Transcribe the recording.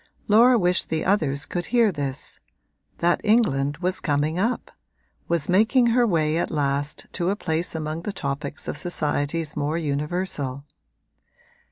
Laura wished the others could hear this that England was coming up, was making her way at last to a place among the topics of societies more universal.